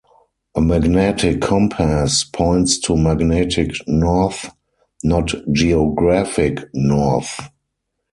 A magnetic compass points to magnetic north, not geographic north.